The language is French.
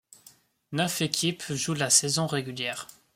Neuf équipes jouent la saison régulière.